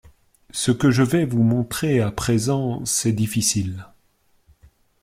Ce que je vais vous montrer à présent, c’est difficile…